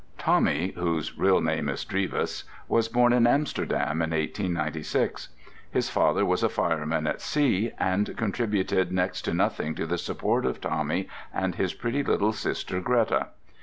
"Tommy" (whose real name is Drevis) was born in Amsterdam in 1896. His father was a fireman at sea, and contributed next to nothing to the support of Tommy and his pretty little sister Greta.